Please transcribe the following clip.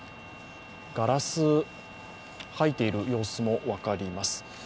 ガラス、掃いている様子も分かります。